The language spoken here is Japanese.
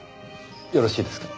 よろしいですか？